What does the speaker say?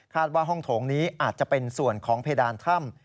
ว่าห้องโถงนี้อาจจะเป็นส่วนของเพดานถ้ำ